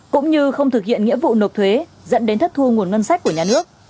cũng như không thực hiện nghĩa vụ nộp thuế dẫn đến thất thu nguồn ngân sách của nhà nước